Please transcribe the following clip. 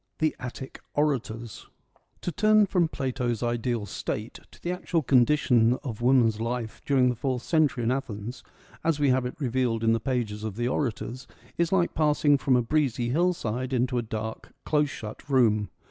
XII. — The Attic Orators To turn from Plato's ideal State to the actual condition of woman's life during the fourth century in Athens, as we have it revealed in the pages of the orators, is like passing from a breezy hillsid into a dark, close shut room.